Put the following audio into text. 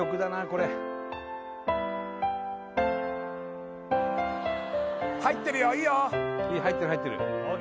これ入ってるよいいよ入ってる入ってるＯＫ！